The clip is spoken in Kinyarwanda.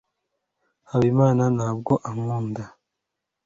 habimana ntabwo ankunda